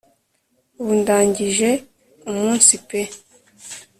ubu ndangije umunsi pe